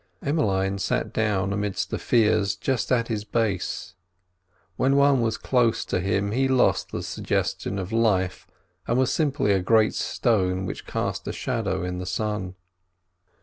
Emmeline sat down amidst the fears just at his base. When one was close up to him he lost the suggestion of life, and was simply a great stone which cast a shadow in the sun.